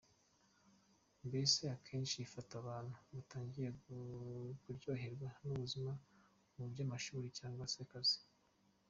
Mbese akenshi ifata abantu batangiye kuryoherwa n’ubuzima mu by’amashuri cyangwa se akazi.